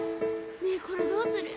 ねえこれどうする？